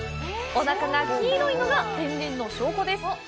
お腹が黄色いのが天然の証拠です。